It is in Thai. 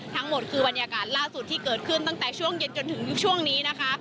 ทั้งหมดคือบรรยากาศล่าสุดที่เกิดขึ้นตั้งแต่ช่วงเย็นจนถึงช่วงนี้นะคะ